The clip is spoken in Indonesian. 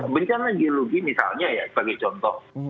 bencana geologi misalnya ya sebagai contoh